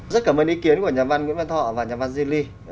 rất cảm ơn ý kiến của nhà văn nguyễn văn thọ và nhà văn zian ly